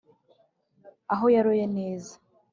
Aho yaroye neza